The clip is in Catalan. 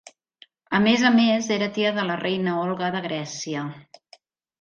A més a més, era tia de la reina Olga de Grècia.